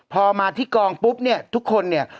พอมาที่กองปุ๊บเนี่ยทุกคนเนี่ย